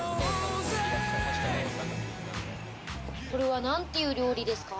これは何という料理ですか？